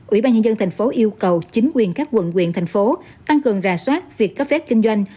ủy ban nhân dân tp hcm yêu cầu chính quyền các quận quyền thành phố tăng cường rà soát việc cấp phép kinh doanh